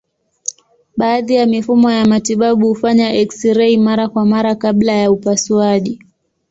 Baadhi ya mifumo ya matibabu hufanya eksirei mara kwa mara kabla ya upasuaji.